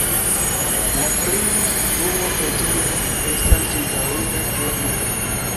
La pli frua preĝejo estas ĉirkaŭita de muro.